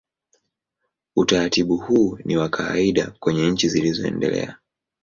Utaratibu huu ni wa kawaida kwenye nchi zilizoendelea.